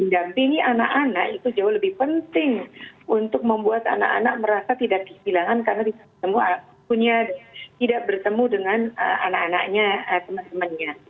dampingi anak anak itu jauh lebih penting untuk membuat anak anak merasa tidak kehilangan karena tidak bertemu dengan anak anaknya teman temannya